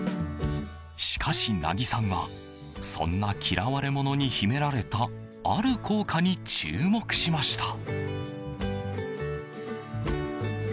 しかし、梛木さんはそんな嫌われものに秘められたある効果に注目しました。